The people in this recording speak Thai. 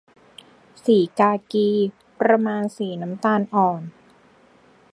สีกากี ประมาณสีน้ำตาลอ่อน